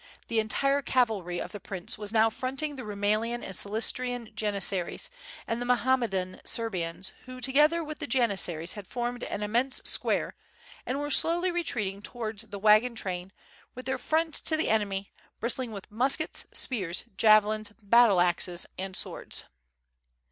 The entire cavalry of the prince was now fronting the Rumelian and Silistrian janis saries and the Mohammedan Serbians who together with the janissaries had formed an immense square and were slowly retreating towards the wagon train with their front to the enemy, bristling with muskets, spears, javelins, battle axes, and swords.